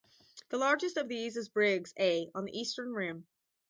The largest of these is Briggs A on the eastern rim.